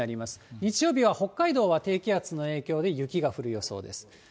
日曜日は北海道は低気圧の影響で雪が降る予想です。